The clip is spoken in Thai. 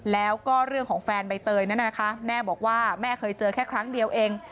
แล้วก็เรื่องของแฟนใบเตยนั้นนะคะแม่บอกว่าแม่เคยเจอแค่ครั้งเดียวเอง